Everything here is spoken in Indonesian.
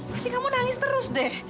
pasti kamu nangis terus deh